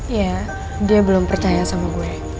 iya dia belum percaya sama gue